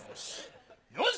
よし！